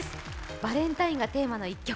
バレンタインがテーマの１曲